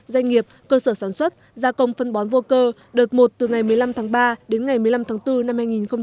doanh nghiệp cơ sở sản xuất gia công phân bón vô cơ đợt một từ ngày một mươi năm tháng ba đến ngày một mươi năm tháng bốn năm hai nghìn hai mươi